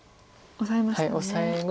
オサえましたね。